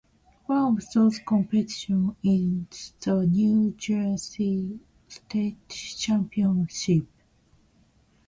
One of those competitions is the New Jersey state championship.